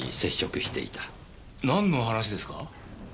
なんの話ですか？